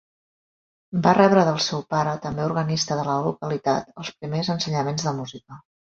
Va rebre del seu pare, també organista de la localitat, els primers ensenyaments de música.